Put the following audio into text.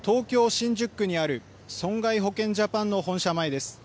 新宿区にある損害保険ジャパンの本社前です。